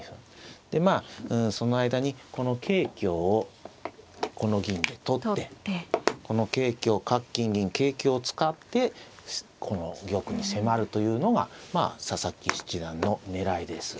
でまあその間にこの桂香をこの銀で取ってこの桂香角金銀桂香を使ってこの玉に迫るというのがまあ佐々木七段の狙いです。